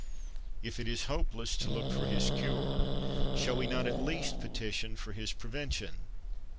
If it is hopeless to look for his cure, shall we not at least petition for his pre vention